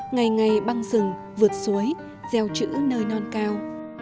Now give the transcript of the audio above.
ngày ngày băng rừng vượt suối gieo chữ nơi non cao